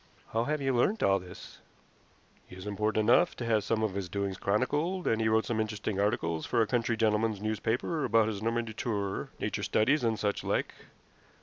"How have you learnt all this?" "He is important enough to have some of his doings chronicled, and he wrote some interesting articles for a country gentlemen's newspaper about his Normandy tour nature studies, and such like.